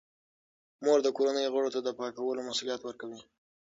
مور د کورنۍ غړو ته د پاکولو مسوولیت ورکوي.